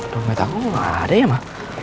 dompet aku ada ya